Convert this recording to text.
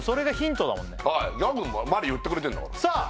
はいはいギャグまで言ってくれてるんだからさあ